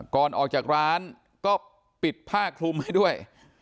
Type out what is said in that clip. ก่อนออกจากร้านก็ปิดผ้าคลุมให้ด้วย